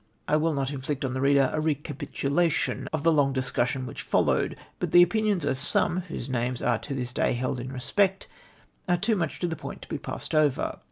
I will not inflict on the reader a recapitulation of the long discussion which followed, but the opinions of some Avhose names are to this day held in respect are too much to the point to be passed over.